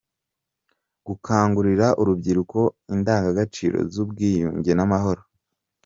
Gukangurira urubyiruko indangagaciro z’Ubwiyunge n’Amahoro